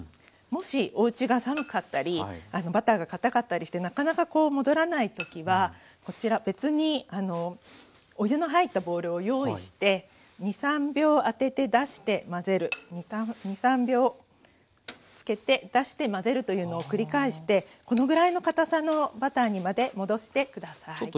もしおうちが寒かったりバターが堅かったりしてなかなか戻らない時はこちら別にお湯の入ったボウルを用意して２３秒当てて出して混ぜる２３秒つけて出して混ぜるというのを繰り返してこのぐらいの固さのバターにまで戻して下さい。